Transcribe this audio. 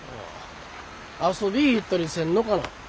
遊びぃ行ったりせんのかな？